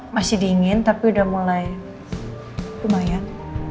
masih dingin tapi udah mulai lumayan